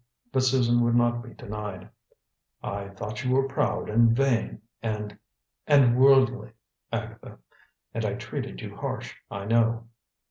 But Susan would not be denied. "I thought you were proud and vain and and worldly, Agatha. And I treated you harsh, I know."